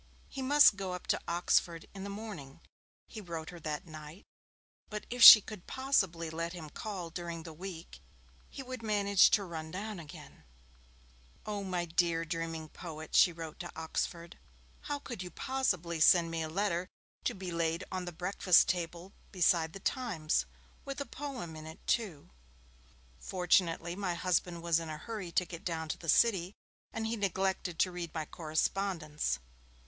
He must go up to Oxford in the morning, he wrote her that night, but if she could possibly let him call during the week he would manage to run down again. 'Oh, my dear, dreaming poet,' she wrote to Oxford, 'how could you possibly send me a letter to be laid on the breakfast table beside The Times! With a poem in it, too. Fortunately my husband was in a hurry to get down to the City, and he neglected to read my correspondence.